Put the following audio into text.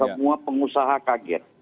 semua pengusaha kaget